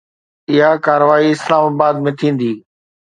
اها ڪارروائي اسلام آباد ۾ ٿيندي.